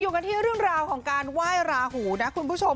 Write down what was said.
กันที่เรื่องราวของการไหว้ราหูนะคุณผู้ชม